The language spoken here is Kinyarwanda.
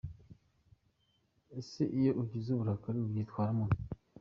Ese iyo ugize ubukari ubyitwaramo ute?.